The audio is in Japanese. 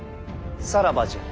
さらばじゃ。